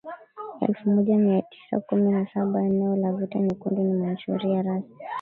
elfu moja mia tisa kumi na sabaEneo la vita Nyekundu ni Manchuria rasi